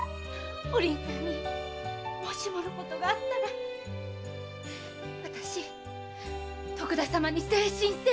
お凛さんにもしものことがあったら私徳田様に誠心誠意お仕えします。